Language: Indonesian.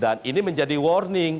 dan ini menjadi warning